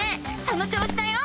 その調子だよ！